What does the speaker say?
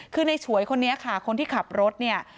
คือในฉวยคนนี้ค่ะคนที่ขับรถเนี่ย